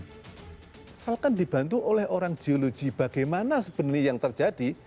misalkan dibantu oleh orang geologi bagaimana sebenarnya yang terjadi